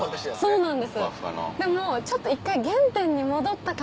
そうなんですよ。